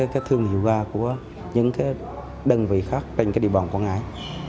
các thương hiệu ga của những đơn vị khác trên địa bàn quang hải